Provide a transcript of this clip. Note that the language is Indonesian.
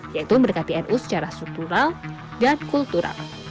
yaitu mendekati nu secara struktural dan kultural